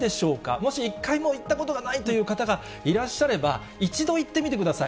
もし一回も行ったことがないという方がいらっしゃれば、一度行ってみてください。